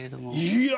いや！